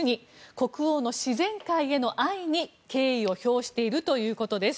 国王の自然界への愛に敬意を表しているということです。